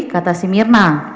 kata si mirna